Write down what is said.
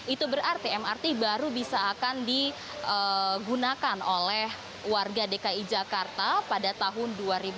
itu berarti mrt baru bisa akan digunakan oleh warga dki jakarta pada tahun dua ribu dua puluh